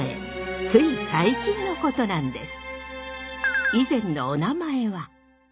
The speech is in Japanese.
つい最近のことなんです。